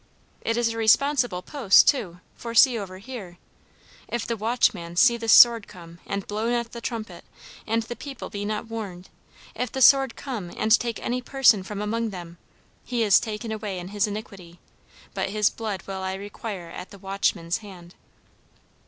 "It is a responsible post, too, for see over here, 'If the watchman see the sword come, and blow not the trumpet, and the people be not warned; if the sword come, and take any person from among them, he is taken away in his iniquity; but his blood will I require at the watchman's hand.'"